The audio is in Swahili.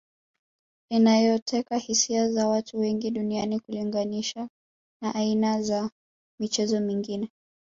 inayoteka hisia za watu wengi duniani kulinganisha na aina za michezo mingine